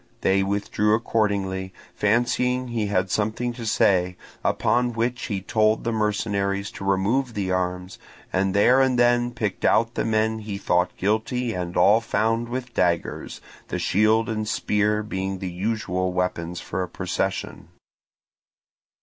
They withdrew accordingly, fancying he had something to say; upon which he told the mercenaries to remove the arms, and there and then picked out the men he thought guilty and all found with daggers, the shield and spear being the usual weapons for a procession.